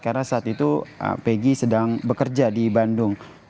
karena saat itu pegi sedang bekerja di bandung